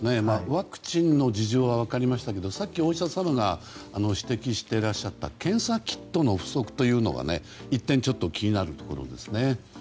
ワクチンの事情は分かりましたけどさっきお医者様が指摘してらっしゃった検査キットの不足というのは１点、気になるところですね。